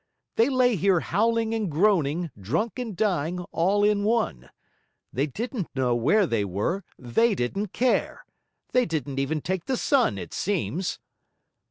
They lay here howling and groaning, drunk and dying, all in one. They didn't know where they were, they didn't care. They didn't even take the sun, it seems.'